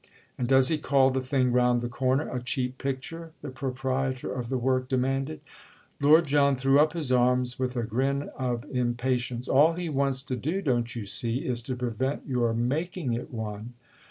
"And does he call the thing round the corner a cheap picture?" the proprietor of the work demanded. Lord John threw up his arms with a grin of impatience. "All he wants to do, don't you see? is to prevent your making it one!"